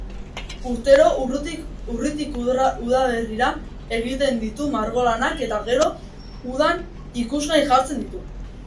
Urtero urritik udaberria egiten ditu margo lanak eta gero udan ikusgai jartzen ditu.